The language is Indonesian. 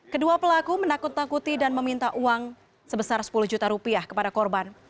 kedua pelaku menakut takuti dan meminta uang sebesar sepuluh juta rupiah kepada korban